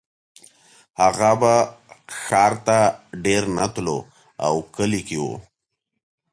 هغه به ښار ته ډېر نه تلو او کلي کې و